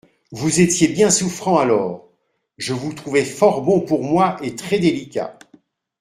Vous étiez bien souffrant, alors ; je vous trouvai fort bon pour moi et très-délicat.